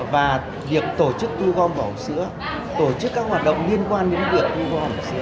và việc tổ chức thu gom vỏ hộp sữa tổ chức các hoạt động liên quan đến việc thu gom sữa